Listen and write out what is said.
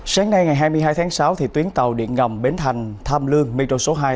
sáng nay hai mươi hai sáu tuyến tàu điện ngầm bến thành h cub ron lương phillips tiers ii